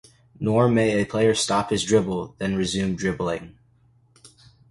Nor may a player stop his dribble and then resume dribbling.